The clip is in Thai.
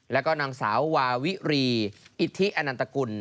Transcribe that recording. แล้วก็นางสาววาวิรีอิทธิอนันตกุล